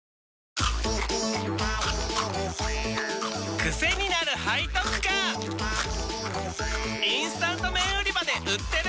チキンかじり虫インスタント麺売り場で売ってる！